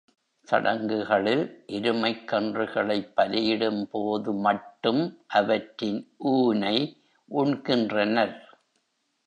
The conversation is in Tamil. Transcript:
சடங்குகளில் எருமைக் கன்றுகளைப் பலியிடும்போது மட்டும் அவற்றின் ஊனை உண்கின்றனர்.